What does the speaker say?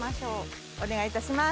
お願いいたします。